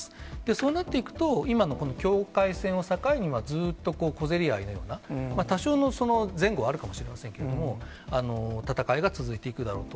そうなっていくと、今のこの境界線を境に、ずっと小競り合いのような、多少の前後はあるかもしれませんけども、戦いが続いていくだろうと。